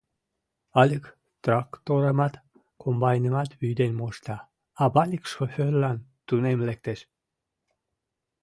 Алик тракторымат, комбайнымат вӱден мошта, а Валик шофёрлан тунем лектеш.